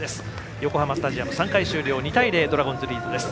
横浜スタジアム、３回終了２対０、ドラゴンズリードです。